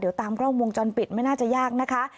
เดี๋ยวตามกล้องวงจรปิดไม่น่าจะยากนะคะ